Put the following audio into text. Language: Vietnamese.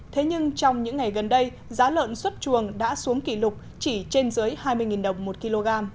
thế nhưng trong những ngày gần đây giá lợn xuất chuồng đã xuống kỷ lục chỉ trên dưới hai mươi đồng một kg